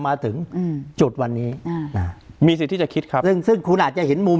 มาถึงอืมจุดวันนี้นะมีสิทธิจะคิดครับซึ่งสึนคุณอาจจะเห็นมุม